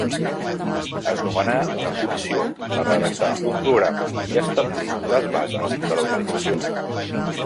Es nomenà una comissió per redactar un programa i establir les bases de l'organització.